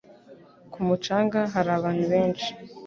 Ku mucanga hari abantu benshi.